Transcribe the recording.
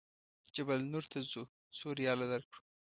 جبل نور ته ځو څو ریاله درکړو.